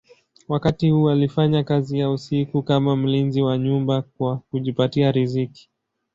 Wakati huu alifanya kazi ya usiku kama mlinzi wa nyumba kwa kujipatia riziki.